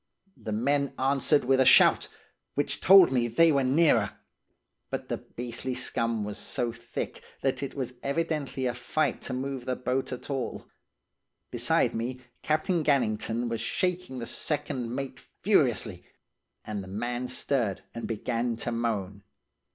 The men answered with a shout, which told me they were nearer, but the beastly scum was so thick that it was evidently a fight to move the boat at all. Beside me, Captain Gannington was shaking the second mate furiously, and the man stirred and began to moan.